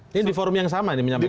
ini di forum yang sama ini menyampaikan